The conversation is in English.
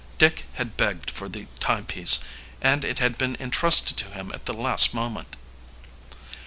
Dick had begged for the timepiece, and it had been entrusted to him at the last moment.